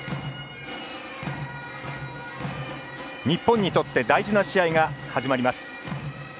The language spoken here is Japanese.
日本にとって大事な試合が始まります。